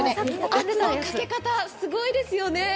圧のかけ方、すごいですよね。